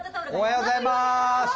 おはようございます！